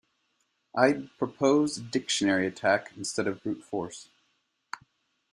I'd propose a dictionary attack instead of brute force.